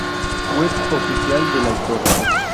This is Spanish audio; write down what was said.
Web oficial del autor